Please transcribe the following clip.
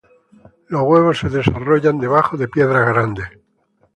Los huevos se desarrollan debajo de piedras grandes.